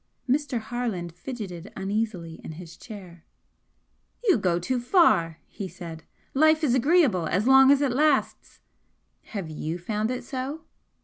Mr. Harland fidgeted uneasily in his chair. "You go too far!" he said "Life is agreeable as long as it lasts " "Have you found it so?"